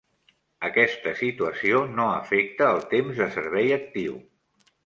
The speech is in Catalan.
Aquesta situació no afecta el temps de servei actiu.